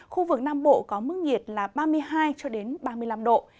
khu vực nam bộ có mức nhiệt là ba mươi hai cho đến ba mươi năm độ